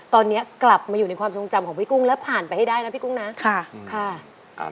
ตอนนี้กลับมาอยู่ในความทรงจำของพี่กุ้งและผ่านไปให้ได้นะพี่กุ้งนะค่ะอ่า